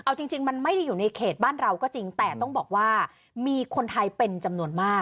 เอาจริงมันไม่ได้อยู่ในเขตบ้านเราก็จริงแต่ต้องบอกว่ามีคนไทยเป็นจำนวนมาก